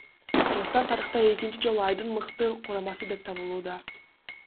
Кыргызстан тарыхта экинчи жолу айдын мыкты курамасы деп табылууда.